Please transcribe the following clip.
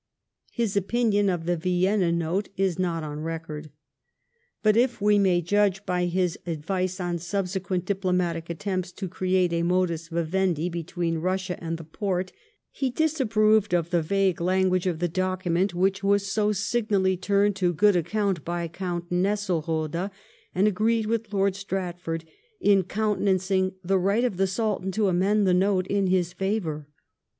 His opinion of the Vienna Note is not on» record. But, if we may judge by his advice on subse quent diplomatic attempts to create a modus vivenM between Bussia and the Porte, he disapproved of the vague language of the document which was so signally turned to good account by Gount Nesselrode, and agreed with Lord Stratford in countenancing the right of the Sultan to amend the note in his favour.